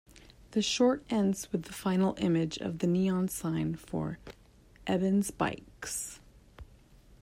The short ends with the final image of the neon sign for "Eben's Bikes".